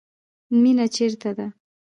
مینه چیرته ده؟